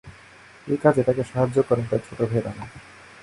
এই কাজে তাকে সাহায্য করেন তার ছোট ভাই রানা।